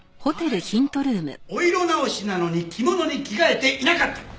花嫁はお色直しなのに着物に着替えていなかった。